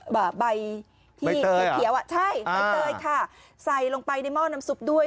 ใบที่เขียวอ่ะใช่ใบเตยค่ะใส่ลงไปในหม้อน้ำซุปด้วย